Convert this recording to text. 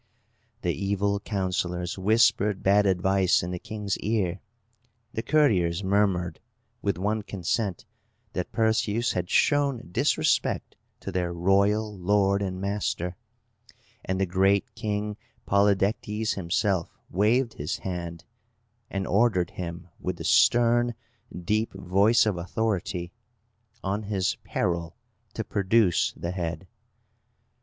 The evil counsellors whispered bad advice in the king's ear; the courtiers murmured, with one consent, that Perseus had shown disrespect to their royal lord and master; and the great King Polydectes himself waved his hand, and ordered him, with the stern, deep voice of authority, on his peril, to produce the head.